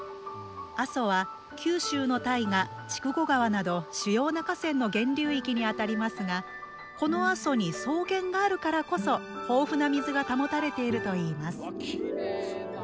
阿蘇は、九州の大河・筑後川など主要な河川の源流域にあたりますがこの阿蘇に草原があるからこそ豊富な水が保たれているといいます。